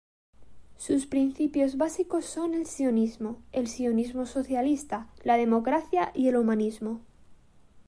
Sus principios básicos son: el sionismo, el sionismo socialista, la democracia y el humanismo.